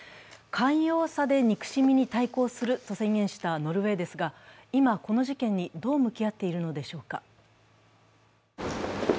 寛容さで憎しみに対抗すると宣言したノルウェーですが、今、この事件にどう向き合っているのでしょうか。